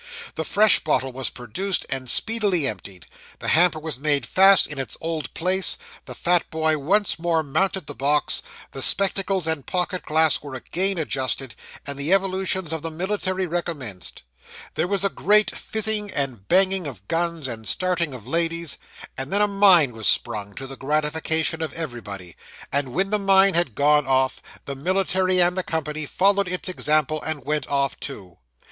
The fresh bottle was produced, and speedily emptied: the hamper was made fast in its old place the fat boy once more mounted the box the spectacles and pocket glass were again adjusted and the evolutions of the military recommenced. There was a great fizzing and banging of guns, and starting of ladies and then a mine was sprung, to the gratification of everybody and when the mine had gone off, the military and the company followed its example, and went off too.